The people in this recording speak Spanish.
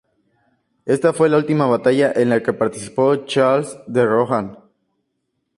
Esta fue la última batalla en la que participó Charles de Rohan.